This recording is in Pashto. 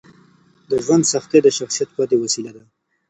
د ژوند سختۍ د شخصیت ودې وسیله ده.